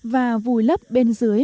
và vùi lấp bên dưới